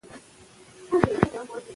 پښتو ژبه په انټرنیټ کې خپره کړئ.